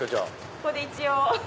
ここで一応。